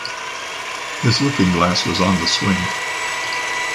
His looking-glass was on the swing.